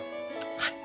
はい。